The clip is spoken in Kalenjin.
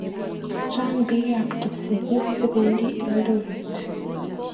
Change pik ab kipsigis chependi Eldoret